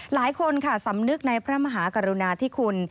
หลายคนค่ะสำนึกในพระมหากรุณาธิคุณ